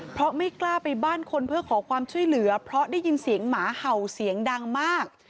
เพราะไม่กล้าไปบ้านคนเพื่อขอความช่วยเหลือเพราะได้ยินเสียงหมาเห่าเสียงดังมาก